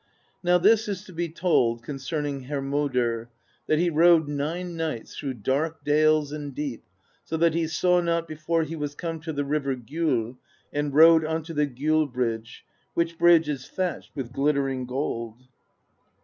"Now this is to be told concerning Hermodr, that he rode nine nights through dark dales and deep, so that he saw not before he was come to the river Gjoll and rode onto the Gjoll Bridge; which bridge is thatched with glit tering gold.